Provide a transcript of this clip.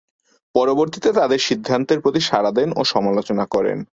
পরবর্তীতে তাদের সিদ্ধান্তের প্রতি সাড়া দেন ও সমালোচনা করেন।